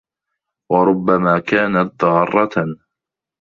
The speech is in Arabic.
وَرُبَّمَا كَانَتْ ضَارَّةً